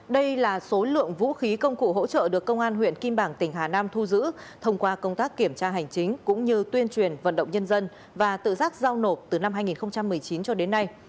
đây là số lượng vũ khí công cụ hỗ trợ được công an huyện kim bảng tỉnh hà nam thu giữ thông qua công tác kiểm tra hành chính cũng như tuyên truyền vận động nhân dân và tự giác giao nộp từ năm hai nghìn một mươi chín cho đến nay